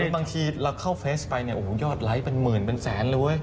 บางทีเราเข้าเฟซไปยอดไลท์เป็นหมื่นเป็นแสนเลย